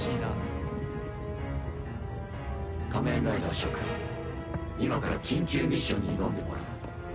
仮面ライダー諸君今から緊急ミッションに挑んでもらう。